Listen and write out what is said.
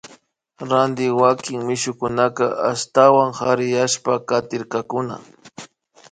Ranti wakin mishukunaka ashtawan chariyashpa katirkakuna